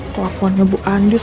kelakuannya bu andius